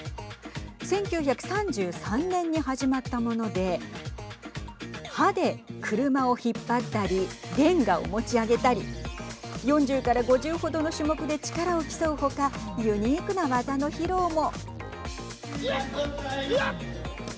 １９３３年に始まったもので歯で車を引っ張ったりれんがを持ち上げたり４０から５０程の種目で力を競う他ユニークな技の披露も。